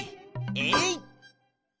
えい！